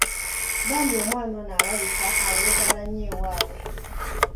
Bambi omwana ono alabika awuubaala nnyo ewaabwe.